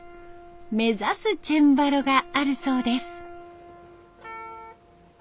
目指すチェンバロがあるそうです。